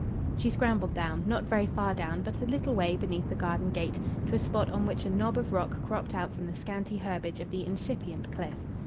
She scrambled down, not very far down, but a little way beneath the garden gate, to a spot on which a knob of rock cropped out from the scanty herbage of the incipient cliff.